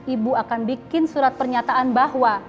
ibu akan bikin surat pernyataan bahwa